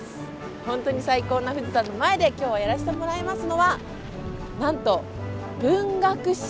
ほんとに最高な富士山の前で今日やらせてもらいますのはなんと「文学史」